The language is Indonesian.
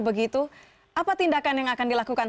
begitu apa tindakan yang akan dilakukan